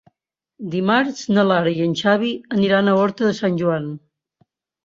Dimarts na Lara i en Xavi aniran a Horta de Sant Joan.